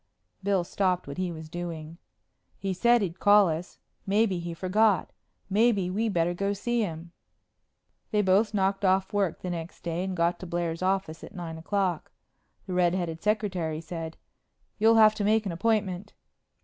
Bill stopped what he was doing. "He said he'd call us. Maybe he forgot. Maybe we better go see him." They both knocked off work the next day and got to Blair's office at nine o'clock. The red headed secretary said, "You'll have to make an appointment."